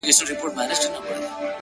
د زړگي غوښي مي د شپې خوراك وي-